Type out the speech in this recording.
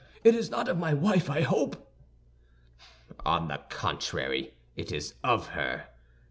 It is not of my wife, I hope!" "On the contrary, it is of her.